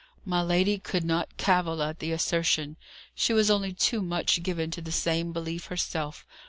My lady could not cavil at the assertion. She was only too much given to the same belief herself.